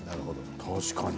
確かに。